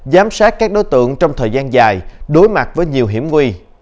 giám sát các đối tượng trong thời gian dài đối mặt với nhiều hiểm nguy